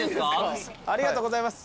ありがとうございます。